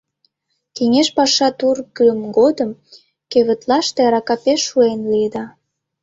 Кеҥеж паша тургым годым кевытлаште арака пеш шуэн лиеда.